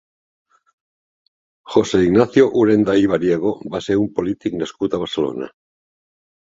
José Ignacio Urenda i Bariego va ser un polític nascut a Barcelona.